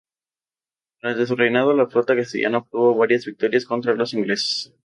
Durante su reinado, la flota castellana obtuvo varias victorias contra los ingleses.